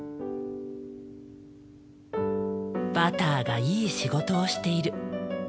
バターがいい仕事をしている。